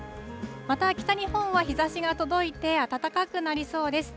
また、北日本は日ざしが届いて、暖かくなりそうです。